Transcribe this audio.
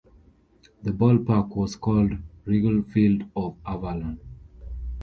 The ballpark was called Wrigley Field of Avalon.